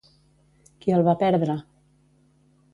Qui el va perdre?